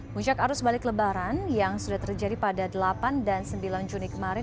musyak arus balik lebaran yang sudah terjadi pada delapan dan sembilan juni kemarin